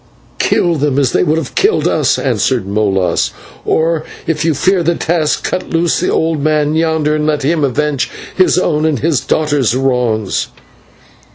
"Kill them as they would have killed us," answered Molas; "or, if you fear the task, cut loose the old man yonder and let him avenge his own and his daughter's wrongs."